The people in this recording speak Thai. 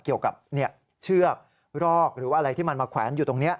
เกี่ยวกับเชือกรอกหรือว่าอะไรที่มันมาแขวนอยู่ตรงนี้